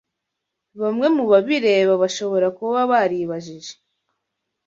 Bamwe mu babireba bashobora kuba baribajije